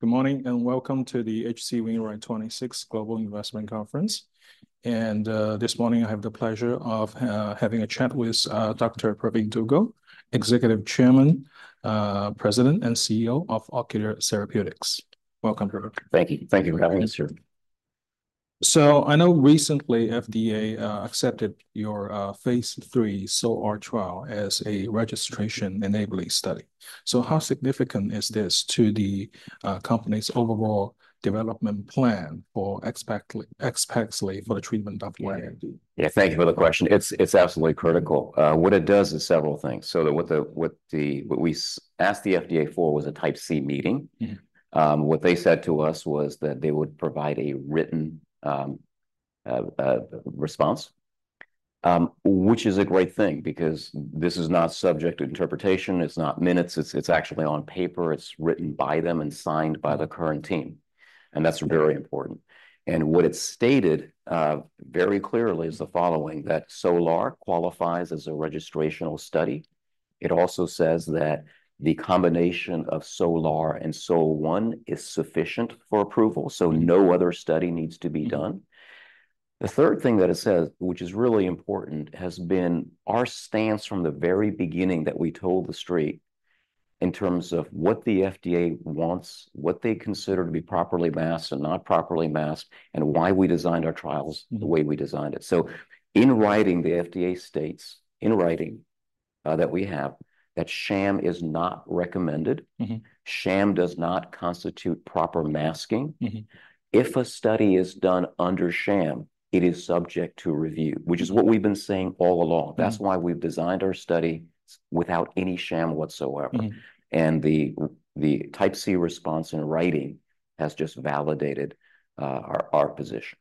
Good morning, and welcome to the H.C. Wainwright 26th Global Investment Conference. This morning I have the pleasure of having a chat with Dr. Pravin Dugel, Executive Chairman, President, and CEO of Ocular Therapeutix. Welcome, Doctor. Thank you. Thank you for having us here. So I know recently FDA accepted your phase III SOLAR trial as a registration-enabling study. So how significant is this to the company's overall development plan for especially for the treatment of wet AMD? Yeah, thank you for the question. It's absolutely critical. What it does is several things. So what we asked the FDA for was a Type C meeting. Mm-hmm. What they said to us was that they would provide a written response, which is a great thing, because this is not subject to interpretation. It's not minutes. It's actually on paper. It's written by them and signed by the current team, and that's very important. What it stated very clearly is the following, that SOLAR qualifies as a registrational study. It also says that the combination of SOLAR and SOL-1 is sufficient for approval- Mm-hmm. So no other study needs to be done. The third thing that it says, which is really important, has been our stance from the very beginning, that we told the Street in terms of what the FDA wants, what they consider to be properly masked and not properly masked, and why we designed our trials. Mm. the way we designed it. So in writing, the FDA states, in writing, that sham is not recommended. Mm-hmm. Sham does not constitute proper masking. Mm-hmm. If a study is done under sham, it is subject to review, which is what we've been saying all along. Mm-hmm. That's why we've designed our study without any sham whatsoever. Mm-hmm. The Type C response in writing has just validated our position.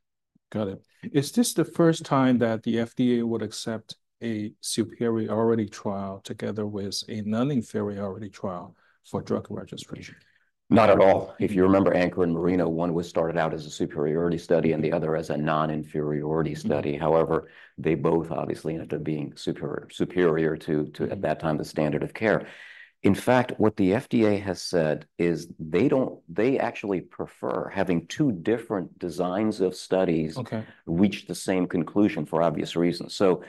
Got it. Is this the first time that the FDA would accept a superiority trial together with a non-inferiority trial for drug registration? Not at all. If you remember ANCHOR and MARINA, one was started out as a superiority study and the other as a non-inferiority study. Mm-hmm. However, they both obviously ended up being superior to, at that time, the standard of care. In fact, what the FDA has said is they actually prefer having two different designs of studies- Okay... reach the same conclusion, for obvious reasons. So,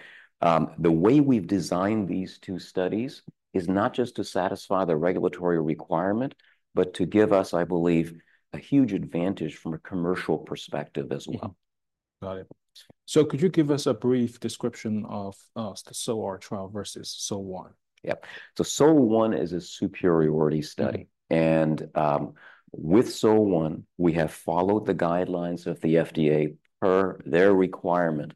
the way we've designed these two studies is not just to satisfy the regulatory requirement, but to give us, I believe, a huge advantage from a commercial perspective as well. Yeah. Got it. So could you give us a brief description of the SOLAR trial versus SOL-1? Yep. So SOL-1 is a superiority study. Mm-hmm. With SOL-1, we have followed the guidelines of the FDA, per their requirement,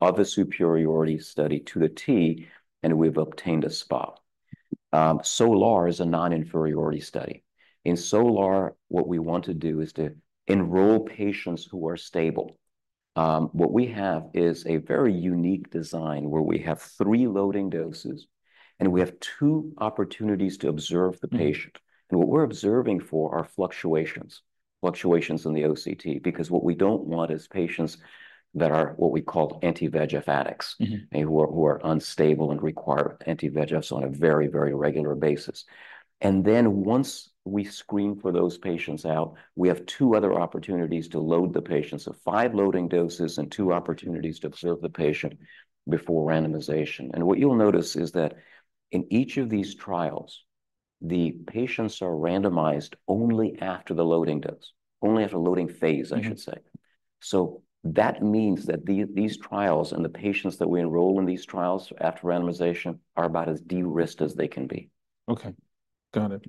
of a superiority study to a T, and we've obtained a spot. SOLAR is a non-inferiority study. In SOLAR, what we want to do is to enroll patients who are stable. What we have is a very unique design, where we have three loading doses, and we have two opportunities to observe the patient. Mm. What we're observing for are fluctuations in the OCT, because what we don't want is patients that are what we call anti-VEGF addicts- Mm-hmm... and who are unstable and require anti-VEGFs on a very, very regular basis, and then, once we screen those patients out, we have two other opportunities to load the patients, so five loading doses and two opportunities to observe the patient before randomization. What you'll notice is that in each of these trials, the patients are randomized only after the loading dose, only after loading phase, I should say. Mm-hmm. So that means that these trials and the patients that we enroll in these trials after randomization are about as de-risked as they can be. Okay, got it.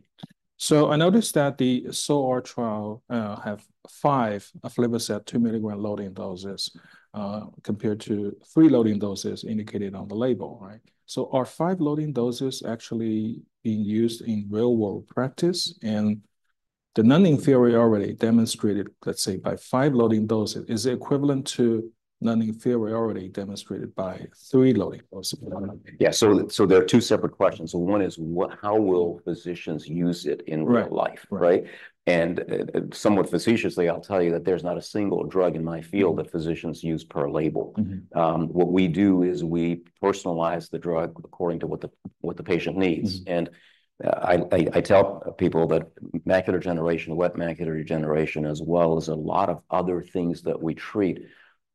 So I noticed that the SOLAR trial have five aflibercept 2 mg loading doses, compared to three loading doses indicated on the label, right? So are five loading doses actually being used in real-world practice? And the non-inferiority demonstrated, let's say, by five loading doses, is equivalent to non-inferiority demonstrated by three loading doses? I don't know. Yeah, so there are two separate questions. So one is, what-- how will physicians use it in real life- Right, right... right? And, somewhat facetiously, I'll tell you that there's not a single drug in my field that physicians use per label. Mm-hmm. What we do is we personalize the drug according to what the patient needs. Mm. I tell people that macular degeneration, wet macular degeneration, as well as a lot of other things that we treat,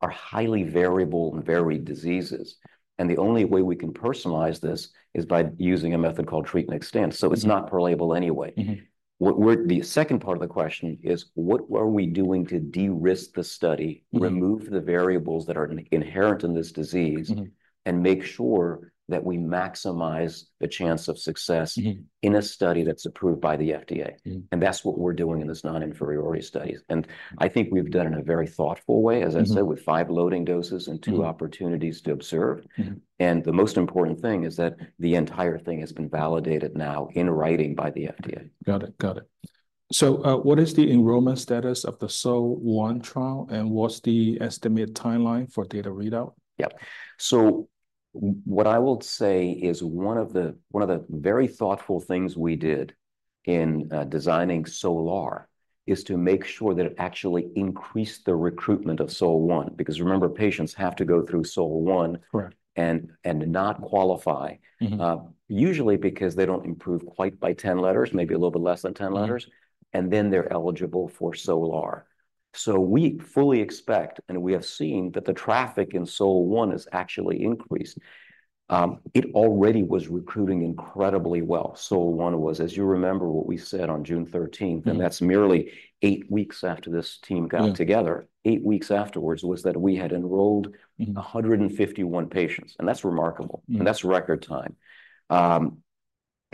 are highly variable and varied diseases, and the only way we can personalize this is by using a method called treat and extend. Mm-hmm. It's not per label anyway. Mm-hmm. The second part of the question is, what are we doing to de-risk the study? Mm... remove the variables that are inherent in this disease. Mm-hmm... and make sure that we maximize the chance of success. Mm-hmm... in a study that's approved by the FDA? Mm. And that's what we're doing in this non-inferiority study, and I think we've done it in a very thoughtful way- Mm-hmm... as I said, with five loading doses and two- Mm... opportunities to observe. Mm-hmm. The most important thing is that the entire thing has been validated now in writing by the FDA. Got it, got it. So, what is the enrollment status of the SOL-1 trial, and what's the estimated timeline for data readout? Yep. So what I will say is one of the, one of the very thoughtful things we did in designing SOLAR is to make sure that it actually increased the recruitment of SOL-1, because remember, patients have to go through SOL-1- Correct. and not qualify. Mm-hmm. Usually because they don't improve quite by 10 letters, maybe a little bit less than 10 letters. Mm. And then they're eligible for SOLAR. So we fully expect, and we have seen, that the traffic in SOL-1 has actually increased. It already was recruiting incredibly well. SOL-1 was, as you remember what we said on June 13th- Mm. and that's merely eight weeks after this team got together. Mm. Eight weeks afterwards was that we had enrolled- Mm... 151 patients, and that's remarkable. Mm. And that's record time.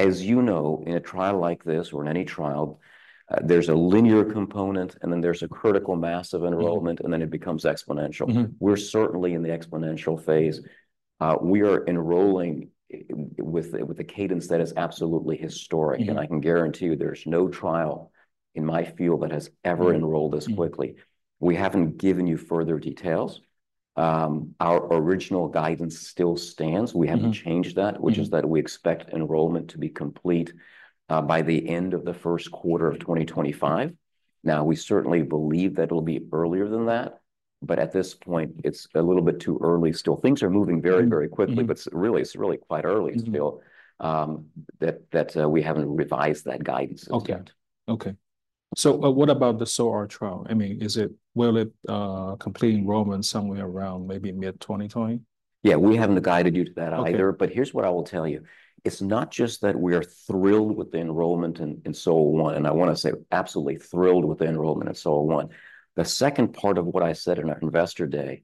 As you know, in a trial like this, or in any trial, there's a linear component, and then there's a critical mass of enrollment- Mm... and then it becomes exponential. Mm-hmm. We're certainly in the exponential phase. We are enrolling with a cadence that is absolutely historic. Mm. I can guarantee you, there's no trial in my field that has ever enrolled this quickly. Mm, mm. We haven't given you further details. Our original guidance still stands. Mm. We haven't changed that. Mm... which is that we expect enrollment to be complete by the end of the first quarter of 2025. Now, we certainly believe that it'll be earlier than that, but at this point, it's a little bit too early still. Things are moving very, very quickly- Mm, mm... but really, it's really quite early still, that we haven't revised that guidance yet. Okay, okay. So, what about the SOLAR trial? I mean, will it complete enrollment somewhere around maybe mid-2020? Yeah, we haven't guided you to that either. Okay. But here's what I will tell you. It's not just that we're thrilled with the enrollment in SOL-1, and I want to say absolutely thrilled with the enrollment in SOL-1. The second part of what I said in our Investor Day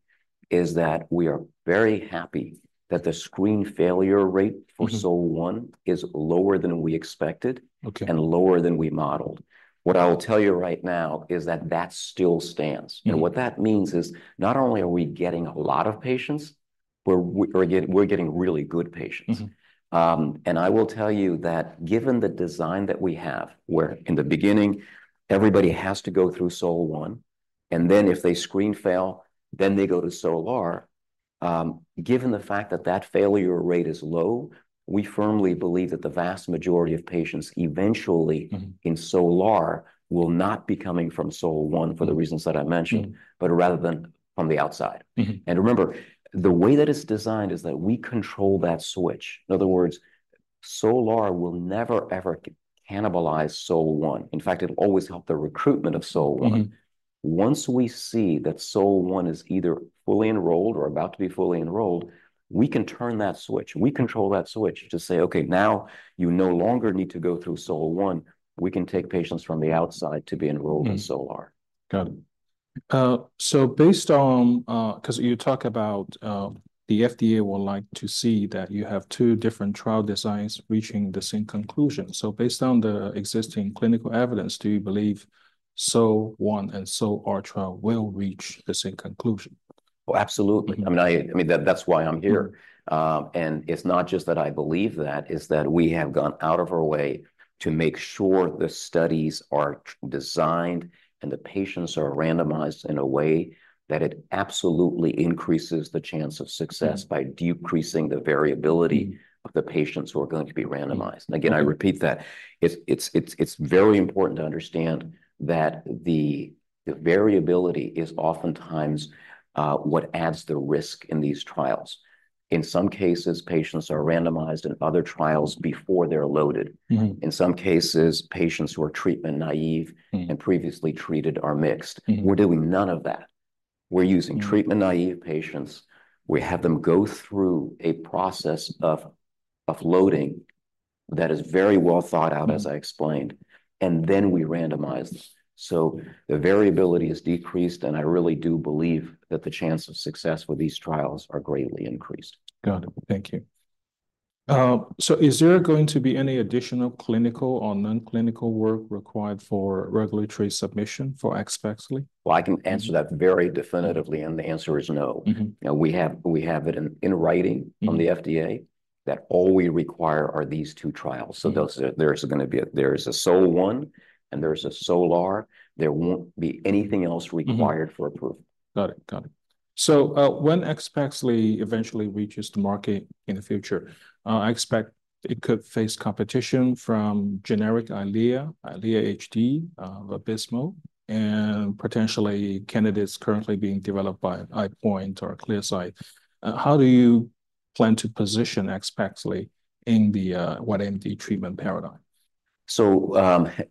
is that we are very happy that the screen failure rate- Mm-hmm... for SOL-1 is lower than we expected- Okay... and lower than we modeled. Wow. What I will tell you right now is that that still stands. Mm. And what that means is, not only are we getting a lot of patients, we're getting really good patients. Mm-hmm. And I will tell you that, given the design that we have, where in the beginning, everybody has to go through SOL-1, and then if they screen fail, then they go to SOLAR. Given the fact that that failure rate is low, we firmly believe that the vast majority of patients eventually- Mm-hmm... in SOLAR will not be coming from SOL-1, for the reasons that I mentioned. Mm... but rather than from the outside. Mm-hmm. Remember, the way that it's designed is that we control that switch. In other words, SOLAR will never, ever cannibalize SOL-1. In fact, it'll always help the recruitment of SOL-1. Mm-hmm. Once we see that SOL-1 is either fully enrolled or about to be fully enrolled, we can turn that switch. We control that switch to say, "Okay, now you no longer need to go through SOL-1." We can take patients from the outside to be enrolled- Mm... in SOLAR. Got it. So based on, 'cause you talk about, the FDA would like to see that you have two different trial designs reaching the same conclusion. So based on the existing clinical evidence, do you believe SOL-1 and SOLAR trial will reach the same conclusion? Oh, absolutely. I mean, that's why I'm here. Mm. And it's not just that I believe that, it's that we have gone out of our way to make sure the studies are designed and the patients are randomized in a way that it absolutely increases the chance of success. Mm... by decreasing the variability- Mm... of the patients who are going to be randomized. Mm-hmm. Again, I repeat that. It's very important to understand that the variability is oftentimes what adds the risk in these trials. In some cases, patients are randomized in other trials before they're loaded. Mm-hmm. In some cases, patients who are treatment-naive. Mm... and previously treated are mixed. Mm-hmm. We're doing none of that. Mm. We're using treatment-naive patients. We have them go through a process of loading that is very well thought out- Mm... as I explained, and then we randomize. So the variability is decreased, and I really do believe that the chance of success with these trials are greatly increased. Got it. Thank you. So, is there going to be any additional clinical or non-clinical work required for regulatory submission for AXPAXLI? I can answer that very definitively, and the answer is no. Mm-hmm. Now, we have it in writing- Mm... from the FDA, that all we require are these two trials. Mm. There's gonna be a SOL-1, and there's a SOLAR. There won't be anything else required. Mm-hmm... for approval. Got it, got it. So, when AXPAXLI eventually reaches the market in the future, I expect it could face competition from generic Eylea, Eylea HD, Vabysmo, and potentially candidates currently being developed by EyePoint or Clearside. How do you plan to position AXPAXLI in the treatment paradigm?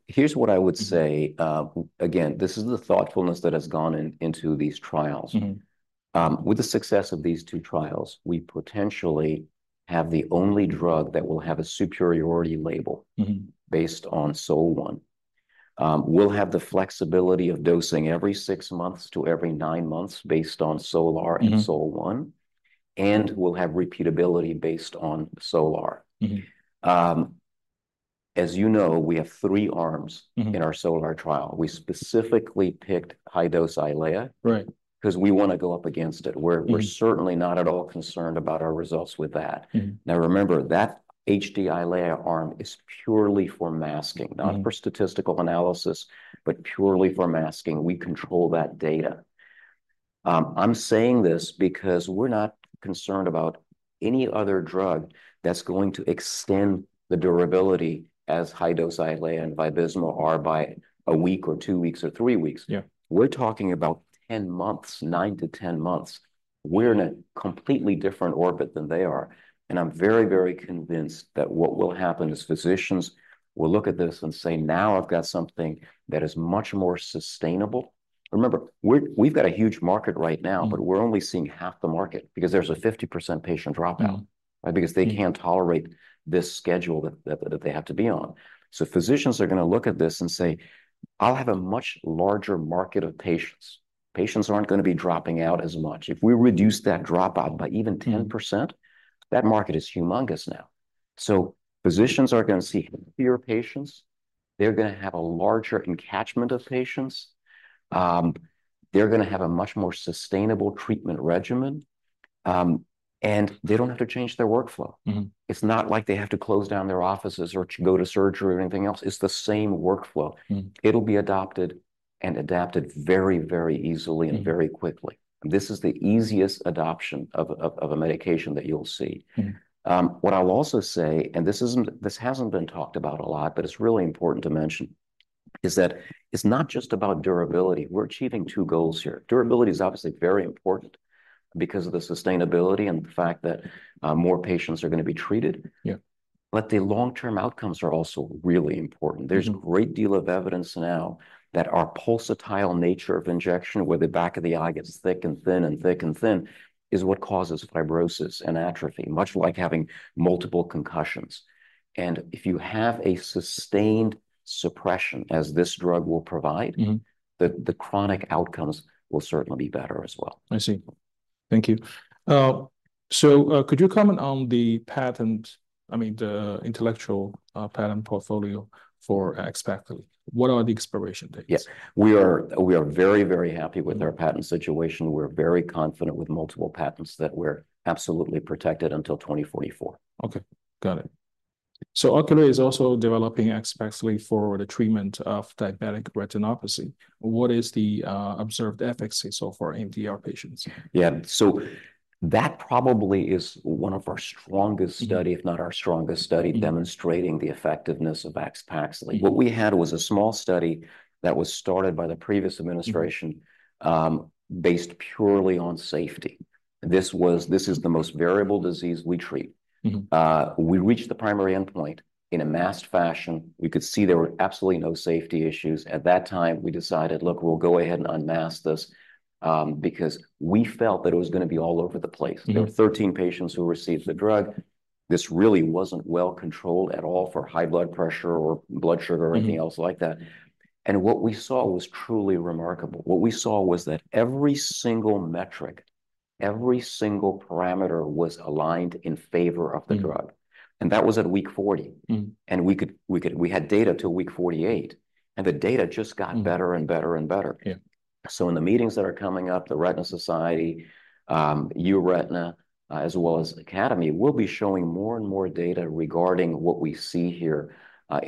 Here's what I would say. Mm. Again, this is the thoughtfulness that has gone into these trials. Mm-hmm. With the success of these two trials, we potentially have the only drug that will have a superiority label- Mm-hmm... based on SOL-1. We'll have the flexibility of dosing every six months to every nine months, based on SOLAR and SOL-1- Mm-hmm... and we'll have repeatability, based on SOLAR. Mm-hmm. As you know, we have three arms- Mm-hmm... in our SOLAR trial. We specifically picked high-dose Eylea- Right... 'cause we wanna go up against it. Mm. We're certainly not at all concerned about our results with that. Mm. Now, remember, that HD Eylea arm is purely for masking- Mm... not for statistical analysis, but purely for masking. We control that data. I'm saying this because we're not concerned about any other drug that's going to extend the durability as high-dose Eylea and Vabysmo are by a week or two weeks or three weeks. Yeah. We're talking about ten months, nine to 10 months. We're in a completely different orbit than they are, and I'm very, very convinced that what will happen is physicians will look at this and say, "Now I've got something that is much more sustainable." Remember, we've got a huge market right now. Mm. But we're only seeing half the market because there's a 50% patient dropout. Mm. Right? Because they can't tolerate this schedule that they have to be on. So physicians are gonna look at this and say, "I'll have a much larger market of patients." Patients aren't gonna be dropping out as much. If we reduce that dropout by even 10%- Mm. -that market is humongous now. So physicians are gonna see healthier patients, they're gonna have a larger catchment of patients, they're gonna have a much more sustainable treatment regimen, and they don't have to change their workflow. Mm-hmm. It's not like they have to close down their offices or to go to surgery or anything else. It's the same workflow. Mm. It'll be adopted and adapted very, very easily. Mm... and very quickly. This is the easiest adoption of a medication that you'll see. Mm. What I'll also say, and this isn't—this hasn't been talked about a lot, but it's really important to mention, is that it's not just about durability. We're achieving two goals here. Durability is obviously very important because of the sustainability and the fact that more patients are gonna be treated. Yeah. But the long-term outcomes are also really important. Mm. There's a great deal of evidence now that our pulsatile nature of injection, where the back of the eye gets thick and thin and thick and thin, is what causes fibrosis and atrophy, much like having multiple concussions. And if you have a sustained suppression, as this drug will provide- Mm... the chronic outcomes will certainly be better as well. I see. Thank you. So, could you comment on the patent- I mean, the intellectual patent portfolio for AXPAXLI? What are the expiration dates? Yeah. We are very happy with our patent situation. We're very confident with multiple patents that we're absolutely protected until 2044. Okay, got it. So Ocular is also developing AXPAXLI for the treatment of diabetic retinopathy. What is the observed efficacy so far for DME patients? Yeah, so that probably is one of our strongest study- Mm... if not our strongest study- Mm... demonstrating the effectiveness of AXPAXLI. Mm. What we had was a small study that was started by the previous administration- Mm... based purely on safety. This is the most variable disease we treat. Mm-hmm. We reached the primary endpoint in a masked fashion. We could see there were absolutely no safety issues. At that time, we decided, look, we'll go ahead and unmask this, because we felt that it was gonna be all over the place. Mm. There were 13 patients who received the drug. This really wasn't well-controlled at all for high blood pressure or blood sugar- Mm... or anything else like that, and what we saw was truly remarkable. What we saw was that every single metric, every single parameter was aligned in favor of the drug. Mm. That was at week 40. Mm. We had data till week 48, and the data just got- Mm... better and better and better. Yeah. In the meetings that are coming up, the Retina Society, EURETINA, as well as Academy, we'll be showing more and more data regarding what we see here,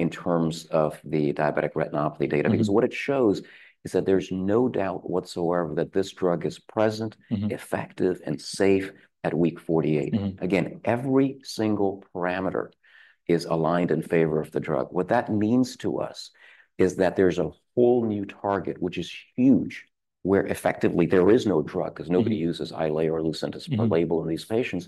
in terms of the diabetic retinopathy data. Mm. Because what it shows is that there's no doubt whatsoever that this drug is present- Mm... effective, and safe at week 48. Mm. Again, every single parameter is aligned in favor of the drug. What that means to us is that there's a whole new target, which is huge, where effectively there is no drug- Mm... because nobody uses Eylea or Lucentis- Mm... label in these patients.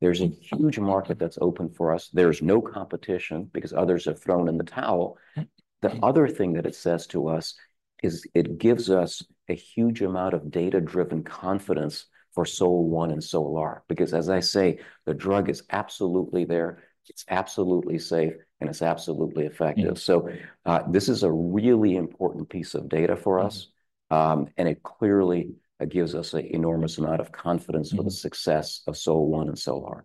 There's a huge market that's open for us. There's no competition because others have thrown in the towel. Mm. The other thing that it says to us is it gives us a huge amount of data-driven confidence for SOL-1 and SOLAR, because, as I say, the drug is absolutely there, it's absolutely safe, and it's absolutely effective. Mm. This is a really important piece of data for us. Mm... and it clearly, it gives us an enormous amount of confidence- Mm... for the success of SOL-1 and SOLAR.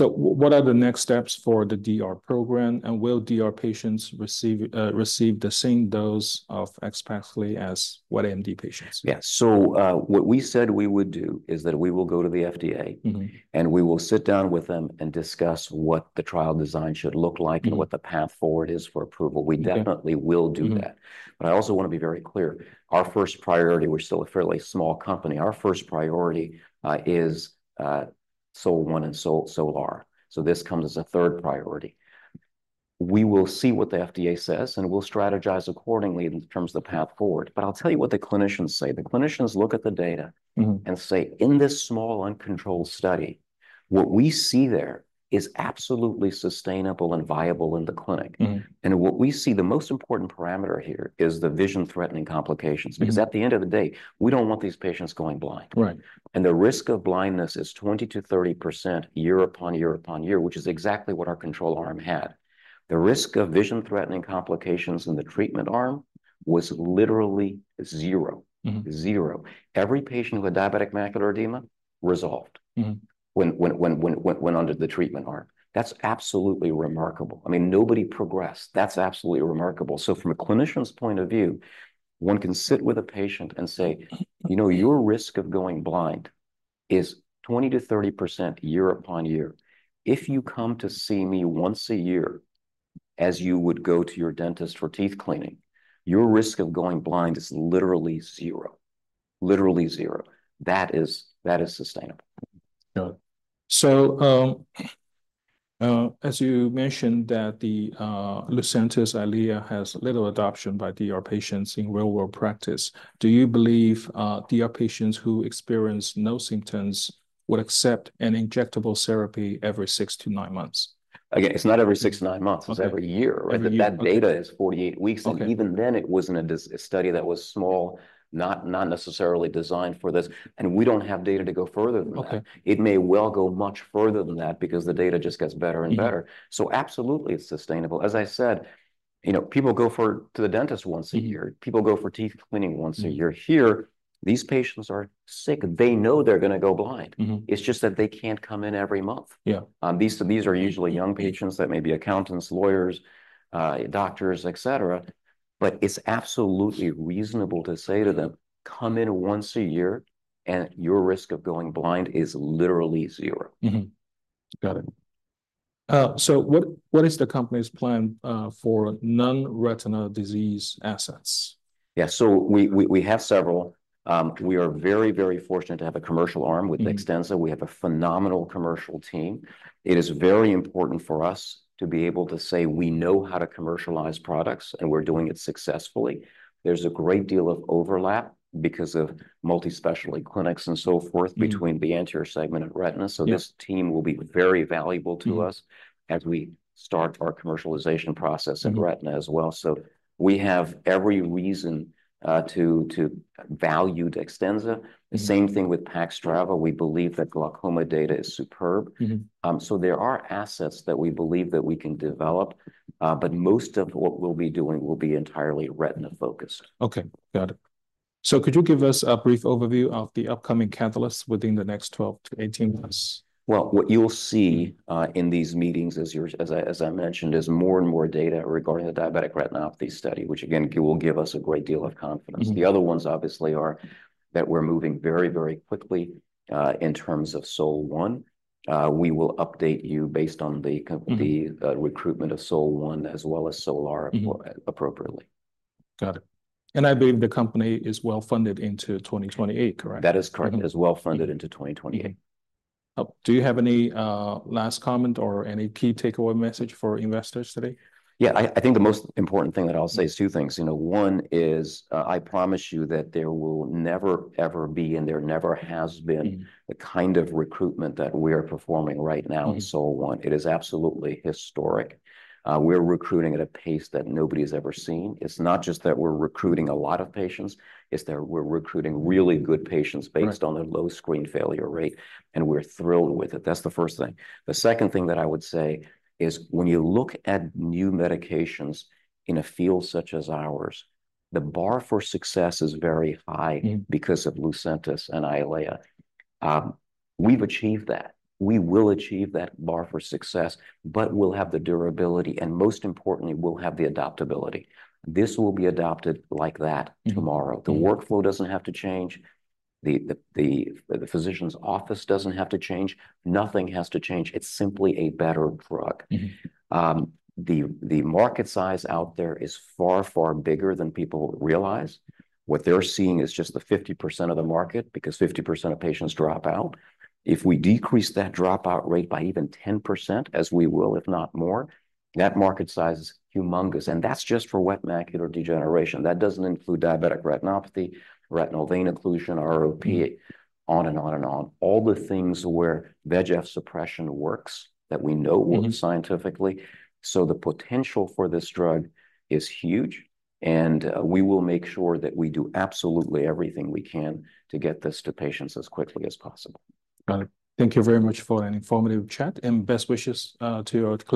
Mm-hmm. So what are the next steps for the DR program, and will DR patients receive the same dose of AXPAXLI as wet AMD patients? Yes. So, what we said we would do is that we will go to the FDA- Mm-hmm... and we will sit down with them and discuss what the trial design should look like- Mm... and what the path forward is for approval. Mm. We definitely will do that. Mm-hmm. But I also want to be very clear, our first priority, we're still a fairly small company, our first priority is SOL-1 and SOLAR. So this comes as a third priority. We will see what the FDA says, and we'll strategize accordingly in terms of the path forward. But I'll tell you what the clinicians say. The clinicians look at the data. Mm... and say, "In this small, uncontrolled study, what we see there is absolutely sustainable and viable in the clinic. Mm. What we see, the most important parameter here is the vision-threatening complications. Mm. Because at the end of the day, we don't want these patients going blind. Right. The risk of blindness is 20%-30% year upon year upon year, which is exactly what our control arm had. The risk of vision-threatening complications in the treatment arm was literally zero. Mm-hmm. Zero. Every patient with diabetic macular edema resolved- Mm... when under the treatment arm. That's absolutely remarkable. I mean, nobody progressed. That's absolutely remarkable. So from a clinician's point of view, one can sit with a patient and say- Mm You know, your risk of going blind is 20%-30% year upon year. If you come to see me once a year - as you would go to your dentist for teeth cleaning, your risk of going blind is literally zero. Literally zero. That is, that is sustainable. Got it. So, as you mentioned that the Lucentis Eylea has little adoption by DR patients in real-world practice, do you believe DR patients who experience no symptoms would accept an injectable therapy every six to nine months? Again, it's not every six to nine months- Okay. It's every year. Every year. That data is 48 weeks- Okay. and even then, it was in a study that was small, not necessarily designed for this, and we don't have data to go further than that. Okay. It may well go much further than that because the data just gets better and better. Mm-hmm. Absolutely, it's sustainable. As I said, you know, people go to the dentist once a year. Mm-hmm. People go for teeth cleaning once a year. Mm-hmm. Here, these patients are sick. They know they're gonna go blind. Mm-hmm. It's just that they can't come in every month. Yeah. These are usually young patients that may be accountants, lawyers, doctors, et cetera, but it's absolutely reasonable to say to them, "Come in once a year, and your risk of going blind is literally zero. Mm-hmm. Got it. So what is the company's plan for non-retinal disease assets? Yeah. So we have several. We are very, very fortunate to have a commercial arm- Mm. -with DEXTENZA. We have a phenomenal commercial team. It is very important for us to be able to say we know how to commercialize products, and we're doing it successfully. There's a great deal of overlap because of multi-specialty clinics and so forth- Mm... between the anterior segment and retina. Yeah. This team will be very valuable to us. Mm... as we start our commercialization process- Mm -in retina as well. So we have every reason to value Dextenza. Mm. The same thing with PAXTRAVA. We believe that glaucoma data is superb. Mm-hmm. So there are assets that we believe that we can develop, but most of what we'll be doing will be entirely retina-focused. Okay. Got it. So could you give us a brief overview of the upcoming catalysts within the next 12 to 18months? What you'll see in these meetings, as I mentioned, is more and more data regarding the diabetic retinopathy study, which again will give us a great deal of confidence. Mm-hmm. The other ones obviously are that we're moving very, very quickly in terms of SOL-1. We will update you based on the comp- Mm... the recruitment of SOL-1, as well as SOLAR- Mm... appropriately. Got it, and I believe the company is well-funded into 2028, correct? That is correct. Mm. It is well-funded into 2028. Do you have any last comment or any key takeaway message for investors today? Yeah, I think the most important thing that I'll say is two things. You know, one is, I promise you that there will never, ever be, and there never has been- Mm... the kind of recruitment that we are performing right now in SOL-1. Mm. It is absolutely historic. We're recruiting at a pace that nobody's ever seen. It's not just that we're recruiting a lot of patients, it's that we're recruiting really good patients- Right... based on their low screen failure rate, and we're thrilled with it. That's the first thing. The second thing that I would say is, when you look at new medications in a field such as ours, the bar for success is very high- Mm... because of Lucentis and Eylea. We've achieved that. We will achieve that bar for success, but we'll have the durability, and most importantly, we'll have the adaptability. This will be adopted like that tomorrow. Mm. Mm. The workflow doesn't have to change, the physician's office doesn't have to change. Nothing has to change. It's simply a better drug. Mm-hmm. The market size out there is far, far bigger than people realize. What they're seeing is just the 50% of the market, because 50% of patients drop out. If we decrease that dropout rate by even 10%, as we will, if not more, that market size is humongous, and that's just for wet macular degeneration. That doesn't include diabetic retinopathy, retinal vein occlusion, ROP- Mm... on and on and on. Mm. All the things where VEGF suppression works, that we know- Mm... works scientifically. So the potential for this drug is huge, and we will make sure that we do absolutely everything we can to get this to patients as quickly as possible. Got it. Thank you very much for an informative chat, and best wishes to your clinical-